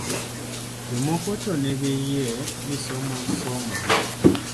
Jomoko to nigi yie ni somo somo